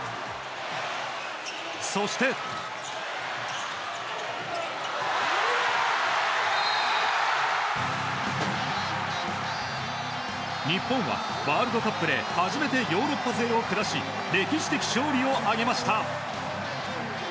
そして日本はワールドカップで初めてヨーロッパ勢を下し歴史的勝利を挙げました！